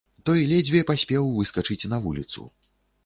Той ледзьве паспеў выскачыць на вуліцу.